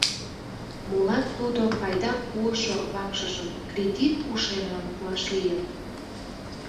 Молан тудо пайдам пуышо вакшыжым кредит ушемлан пуаш лийын?